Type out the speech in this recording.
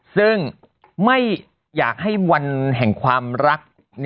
ซึ่งไม่อยากให้วันแห่งความรัก